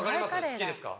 好きですか？